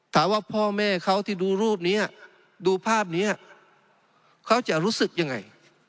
ถามว่าพ่อแม่เขาที่ดูรูปนี้ดูภาพนี้เขาจะรู้สึกยังไง